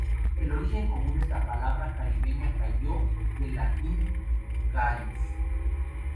El origen común es la palabra caribeña "cayo" del latín "gaius".